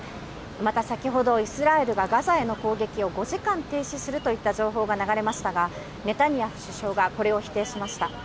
また先ほど、イスラエルがガザへの攻撃を５時間停止するといった情報が流れましたが、ネタニヤフ首相がこれを否定しました。